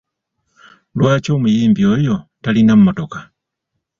Lwaki omuyimbi oyo talina mmotoka?